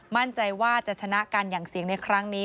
มั่นใจว่าจะชนะกันอย่างเสียงในครั้งนี้